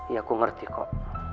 ya aku ngerti kok